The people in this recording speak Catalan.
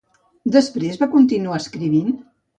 Després va continuar escrivint?